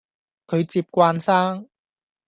佢接慣生